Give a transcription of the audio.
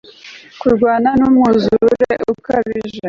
Kurwana numwuzure ukabije